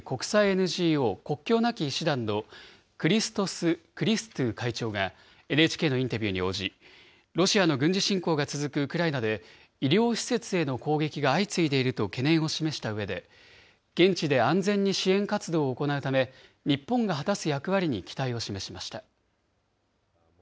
ＮＧＯ国境なき医師団のクリストス・クリストゥ会長がＮＨＫのインタビューに応じ、ロシアの軍事侵攻が続くウクライナで、医療施設への攻撃が相次いでいると懸念を示したうえで、現地で安全に支援活動を行うため、日本が果たす役割に期待を示しました。